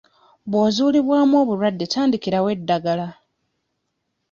Bw'ozuulibwamu obulwadde, tandikirawo eddagala.